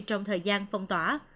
trong thời gian phong tỏa